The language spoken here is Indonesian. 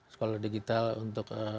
sekolah digital untuk